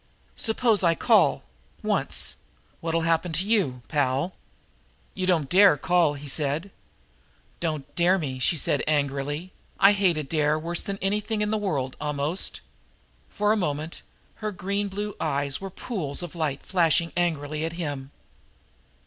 Suppose I call once what'll happen to you, pal?" "You don't dare call," he said. "Don't dare me," said the girl angrily. "I hate a dare worse than anything in the world, almost." For a moment her green blue eyes were pools of light flashing angrily at him.